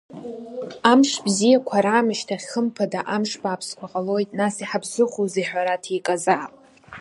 Амш бзиақәа раамышьҭахь хымԥада амш бааԥсқәа ҟалоит, нас иҳаԥсыхәоузеи ҳәа раҭеикызаап…